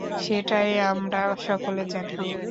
সেটাই আমরা সকলে জানি।